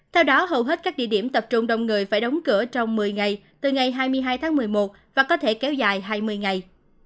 theo đó hầu hết các địa điểm tập trung đông người phải đóng cửa trong một mươi ngày từ ngày hai mươi hai tháng một mươi một và có thể kéo dài hai mươi ngày